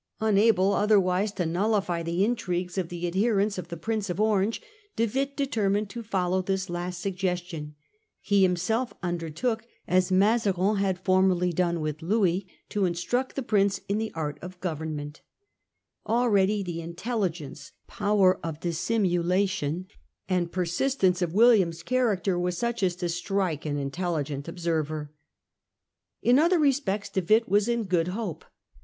Unable otherwise to nullify the intrigues of the adhe rents of the Prince of Orange, De Witt determined to The Prince follow this last suggestion. He himself under acted 8 ?) t0 °k> as Mazarin had formerly done with Louis, the Republic, to instruct the Prince in the art of government. Already the intelligence, power of dissimulation, and per sistence of William's character were such as to strike an intelligent observer. In other respects De Witt was in good hope.